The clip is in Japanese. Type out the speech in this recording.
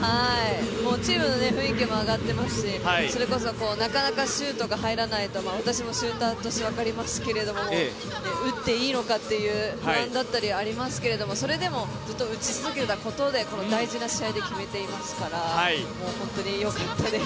もうチームの雰囲気も上がっていますしそれこそ、なかなかシュートが入らないと私もシューターとして分かりますけども打っていいのかという不安があったりしますけれどもそれでもずっと打ち続けたことで大事な試合で決めていますから本当によかったです。